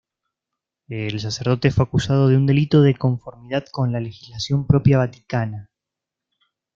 El sacerdote fue acusado de un delito de conformidad con la legislación propia vaticana.